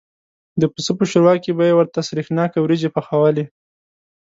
د پسه په شوروا کې به یې ورته سرېښناکه وریجې پخوالې.